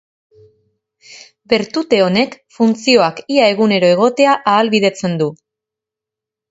Bertute honek, funtzioak ia egunero egotea ahalbidetzen du.